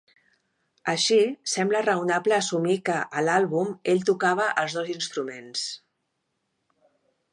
Així, sembla raonable assumir que, a l'àlbum, ell tocava els dos instruments.